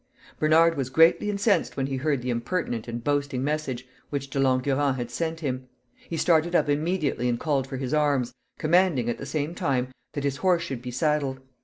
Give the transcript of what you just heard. Bernard was greatly incensed when he heard the impertinent and boasting message which De Langurant had sent him. He started up immediately and called for his arms, commanding, at the same time, that his horse should be saddled.